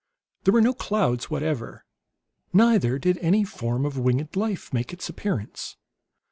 There were no clouds whatever; neither did any form of winged life make its appearance.